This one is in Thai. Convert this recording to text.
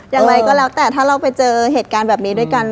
อย่างไรก็แล้วแต่ถ้าเราไปเจอเหตุการณ์แบบนี้ด้วยกัน